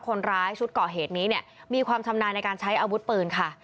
คนร้ายชุดก่อเหตุนี้เนี่ยมีความชำนาญในการใช้อาวุธปืนค่ะ